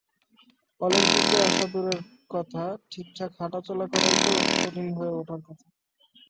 অলিম্পিকে আসা দূরের কথা, ঠিকঠাক হাঁটাচলা করাই তো কঠিন হয়ে ওঠার কথা।